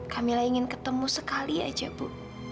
kamilah ingin ketemu sekali aja bu